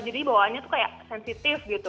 jadi bawaannya tuh kayak sensitif gitu